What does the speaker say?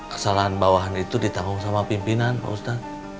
kesalahan bawahan itu ditanggung sama pimpinan pak ustadz